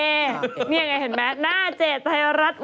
นี่ไงเห็นไหม